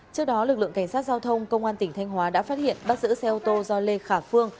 trước đó lực lượng cảnh sát giao thông công an tỉnh thanh hóa đã phát hiện bắt giữ xe ô tô do lê khả phương